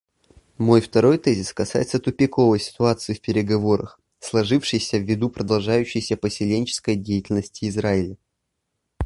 Мой второй тезис касается тупиковой ситуации в переговорах, сложившейся ввиду продолжающейся поселенческой деятельности Израиля.